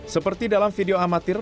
seperti dalam video amatir